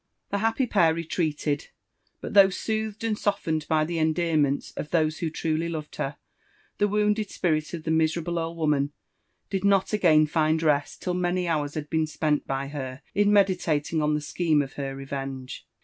The happy pair retreated ; but though soothed and softened by the endearniettis of those who truly loved her, the wounded spirit of the miserable eld women did not again find resi till many hours bad been spent by her ia meditating on the seheme of her revenge.